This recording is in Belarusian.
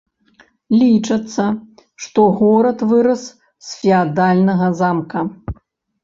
Лічацца, што горад вырас з феадальнага замка.